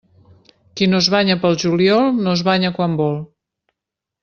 Qui no es banya pel juliol no es banya quan vol.